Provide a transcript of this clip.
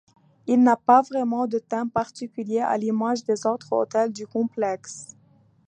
Il n'a pas vraiment de thème particulier à l'image des autres hôtels du complexe.